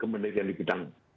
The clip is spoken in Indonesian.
kemendirian di bidang budaya